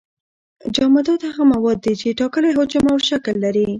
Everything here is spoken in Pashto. جامدات هغه مواد دي چې ټاکلی شکل او حجم لري.